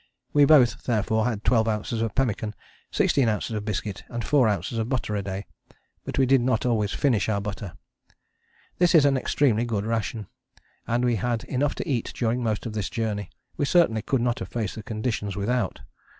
We both therefore had 12 oz. pemmican, 16 oz biscuit and 4 oz. butter a day, but we did not always finish our butter. This is an extremely good ration, and we had enough to eat during most of this journey. We certainly could not have faced the conditions without.